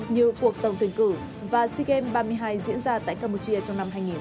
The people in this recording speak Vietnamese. như cuộc tổng thuyền cử và sea games ba mươi hai diễn ra tại campuchia trong năm hai nghìn hai mươi ba